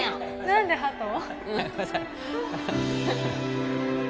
何でハト？